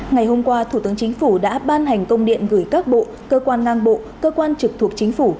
ngày hôm qua thủ tướng chính phủ đã ban hành công điện gửi các bộ cơ quan ngang bộ cơ quan trực thuộc chính phủ